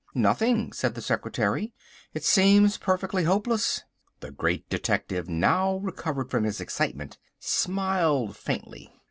"Nothing," said the secretary; "it seems perfectly hopeless." The Great Detective, now recovered from his excitement, smiled faintly.